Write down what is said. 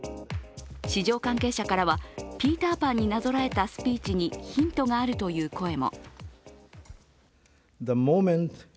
市場関係者からはピーターパンになぞらえたスピーチにヒントがあるという声も。